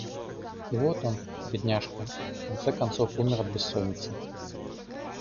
И вот он, бедняжка, в конце концов умер от бессоницы.